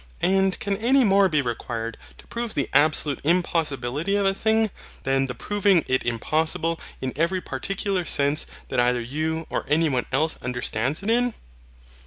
And can any more be required to prove the absolute impossibility of a thing, than the proving it impossible in every particular sense that either you or any one else understands it in?